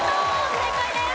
正解です。